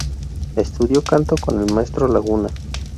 Estudió canto con el maestro Laguna.